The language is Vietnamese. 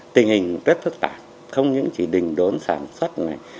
tình hình rất phức tạp không những chỉ đình đốn sản xuất này